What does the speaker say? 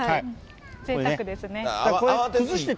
ぜいたくですね。